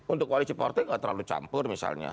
untuk koalisi partai nggak terlalu campur misalnya